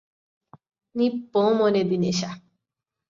നീ പോ മോനെ ദിനേശാ